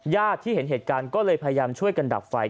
ที่เห็นเหตุการณ์ก็เลยพยายามช่วยกันดับไฟ